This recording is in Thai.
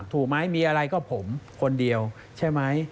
ถูกไหมมีอะไรก็ผมคนเดียวใช่ไหม